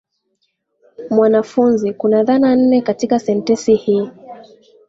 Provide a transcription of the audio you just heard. Mwanafunzi kuna dhana nne katika sentensi hii.